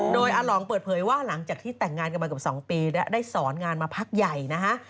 โดยอาหลองเปิดเผยว่าหลังจากที่แต่งงานกันมาเกือบ๒ปีและได้สอนงานมาพักใหญ่นะฮะ